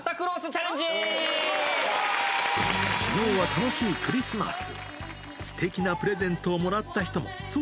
きのうは楽しいクリスマス。